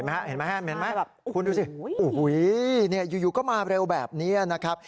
เห็นไหมเห็นไหมคุณดูสิโอ้โหอยู่ก็มาเร็วแบบนี้นะครับ